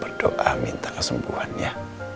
berdoa minta kesembuhan ya